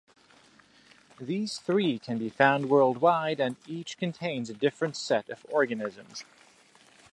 These three can be found worldwide and each contains a different set of organisms.